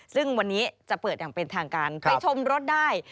ซึ่งวันนี้จะเปิดอย่างเป็นทางการไปชมรถได้